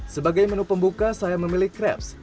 sebagai menu pembuka saya memilih crabs